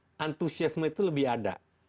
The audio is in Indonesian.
jadi antusiasme itu lebih ada